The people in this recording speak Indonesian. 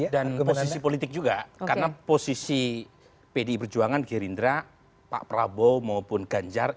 dan posisi politik juga karena posisi pdip berjuangan gerindra pak prabowo maupun ganjar